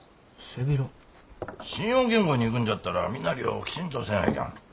信用金庫に行くんじゃったら身なりをきちんとせにゃいかん。